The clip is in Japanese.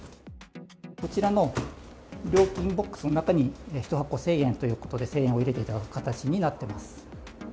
こちらの料金ボックスの中に、１箱１０００円ということで、１０００円を入れていただく形になっています。